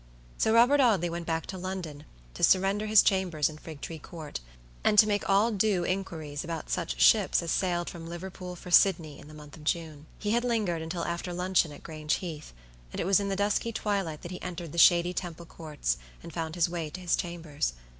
So Robert Audley went back to London, to surrender his chambers in Figtree Court, and to make all due inquiries about such ships as sailed from Liverpool for Sydney in the month of June. He had lingered until after luncheon at Grange Heath, and it was in the dusky twilight that he entered the shady Temple courts and found his way to his chambers.